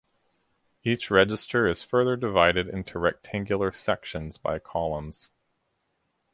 Each register is further divided into rectangular sections by columns.